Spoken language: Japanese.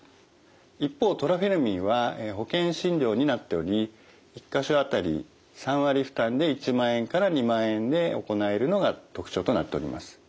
一方トラフェルミンは保険診療になっており１か所あたり３割負担で１万円から２万円で行えるのが特徴となっております。